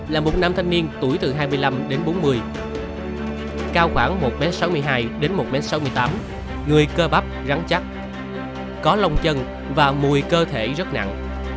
là một nam thanh niên tuổi từ hai mươi năm đến bốn mươi cao khoảng một m sáu mươi hai đến một m sáu mươi tám người cơ bắp rắn chắc có lông chân và mùi cơ thể rất nặng